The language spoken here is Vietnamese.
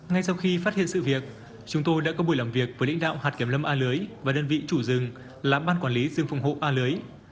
ngay sau khi phát hiện sự việc chúng tôi đã có buổi làm việc với lãnh đạo hạt kiểm lâm a lưới và đơn vị chủ rừng là ban quản lý rừng phòng hộ a lưới